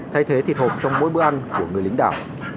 thay thế thịt hộp trong mỗi bữa ăn của người lính đảo